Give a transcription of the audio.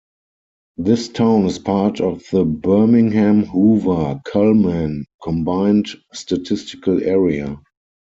This town is part of the Birmingham-Hoover-Cullman Combined Statistical Area.